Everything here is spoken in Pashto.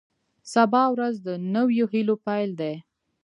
سبا ورځ د نویو هیلو پیل دی.